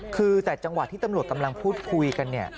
คือแต่จังหวะที่ตำรวจกำลังพูดคุยกันเนี่ย